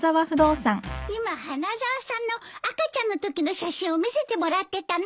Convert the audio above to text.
今花沢さんの赤ちゃんのときの写真を見せてもらってたの。